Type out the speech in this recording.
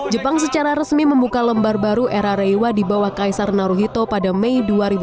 jepang secara resmi membuka lembar baru era rewa dibawah kaisar naruhito pada mei dua ribu sembilan belas